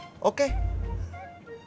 ah gak usah pura pura lu